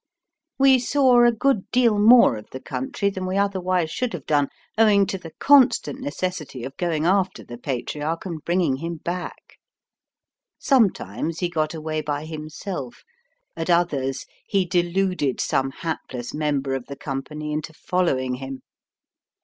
We saw a good deal more of the country than we otherwise should have done, owing to the constant necessity of going after the Patriarch and bringing him back. Sometimes he got away by himself, at others he deluded some hapless member of the company into following him.